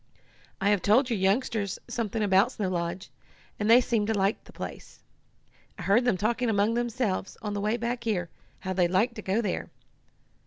"I have told your youngsters something about Snow Lodge, and they seemed to like the place. I heard them talking among themselves, on the way back here, how they'd like to go there.